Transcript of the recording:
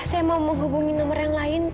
saya mau menghubungi nomor yang lain